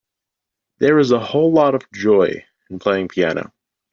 There is a whole lot of joy in playing piano.